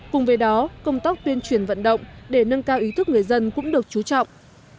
cùng với đó công tác tuyên truyền vận động để nâng cao ý thức người dân cũng được chú trọng